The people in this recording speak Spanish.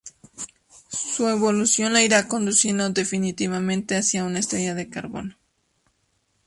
Su evolución la irá conduciendo definitivamente hacia una estrella de carbono.